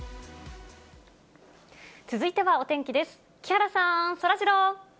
続いてはお天気です。